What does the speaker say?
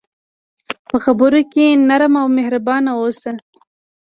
په خبرو کې نرم او مهربان اوسه.